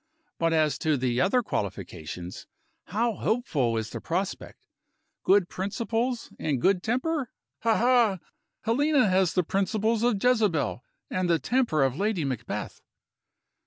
But as to the other qualifications, how hopeful is the prospect! Good principles, and good temper? Ha! ha! Helena has the principles of Jezebel, and the temper of Lady Macbeth."